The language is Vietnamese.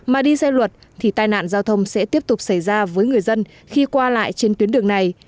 mà đi xe luật thì tai nạn giao thông sẽ tiếp tục xảy ra với người dân khi qua lại trên tuyến đường này